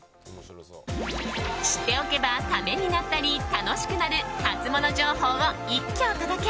知っておけば、ためになったり楽しくなるハツモノ情報を一挙お届け。